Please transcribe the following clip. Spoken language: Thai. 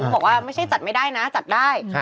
บอกว่าไม่ใช่จัดไม่ได้นะจัดได้